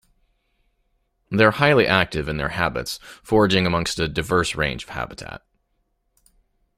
They are highly active in their habits, foraging amongst a diverse range of habitat.